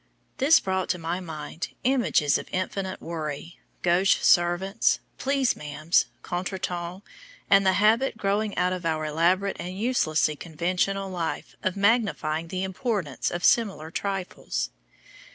This brought to my mind images of infinite worry, gauche servants, "please Ma'am," contretemps, and the habit growing out of our elaborate and uselessly conventional life of magnifying the importance of similar trifles.